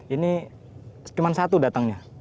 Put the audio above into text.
ini cuma satu datangnya